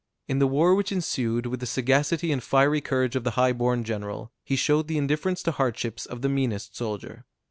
In the war which ensued, with the sagacity and fiery courage of the high born general, he showed the indifference to hardships of the meanest soldier.